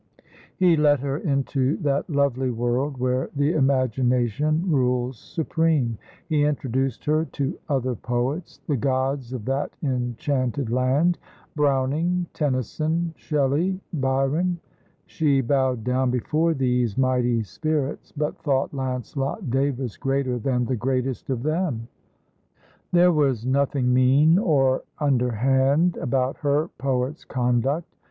He let her into that lovely world where the imagination rules supreme. He introduced her to other poets, the gods of that enchanted land Browning, Tennyson, Shelley, Byron. She bowed down before these mighty spirits, but thought Lancelot Davis greater than the greatest of them. There was nothing mean or underhand about her poet's conduct.